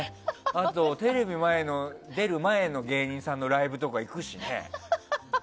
あと、テレビ出る前の芸人さんのライブとか行くしね。